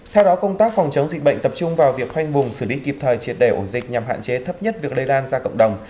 theo đó công tác phòng chống dịch bệnh tập trung vào việc khoanh vùng xử lý kịp thời triệt đề ổ dịch nhằm hạn chế thấp nhất việc lây lan ra cộng đồng